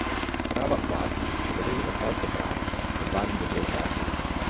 Zpráva uvádí, že veřejný ochránce práv odvádí dobrou práci.